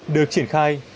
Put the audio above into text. được triển khai